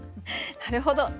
なるほど。